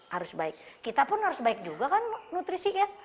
harus baik kita pun harus baik juga kan nutrisinya